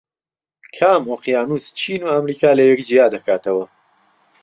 کام ئۆقیانوس چین و ئەمریکا لەیەک جیا دەکاتەوە؟